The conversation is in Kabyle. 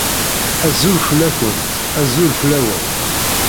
Azul fell-akent, azul fell-awen!